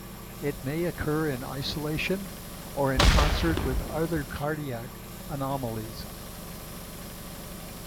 It may occur in isolation or in concert with other cardiac anomalies.